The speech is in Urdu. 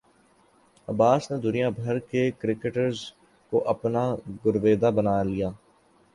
عباس نے دنیا بھر کے کرکٹرز کو اپنا گرویدہ بنا لیا